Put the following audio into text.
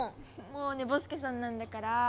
もう寝ぼすけさんなんだから。